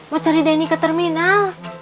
mau cari denny ke terminal